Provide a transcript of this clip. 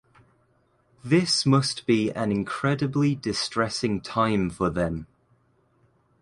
This must be an incredibly distressing time for them.